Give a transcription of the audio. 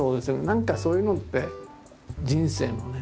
何かそういうのって人生のね。